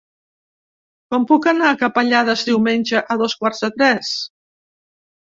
Com puc anar a Capellades diumenge a dos quarts de tres?